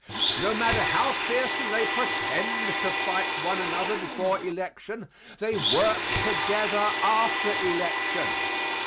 No matter how fiercely they pretend to fight one another before election, they work together after election.